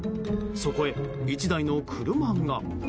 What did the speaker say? そこへ１台の車が。